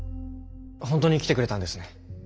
本当に来てくれたんですね。